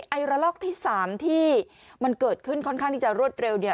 ระลอกที่๓ที่มันเกิดขึ้นค่อนข้างที่จะรวดเร็วเนี่ย